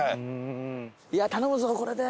いや頼むぞこれで。